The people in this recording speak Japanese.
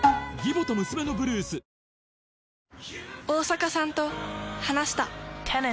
大坂さんと話した。